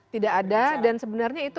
tidak ada dan sebenarnya itu